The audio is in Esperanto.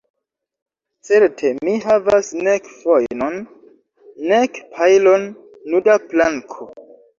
Certe, mi havas nek fojnon, nek pajlon, nuda planko.